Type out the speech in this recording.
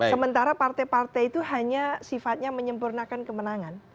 sementara partai partai itu hanya sifatnya menyempurnakan kemenangan